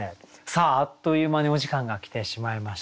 さああっという間にお時間が来てしまいました。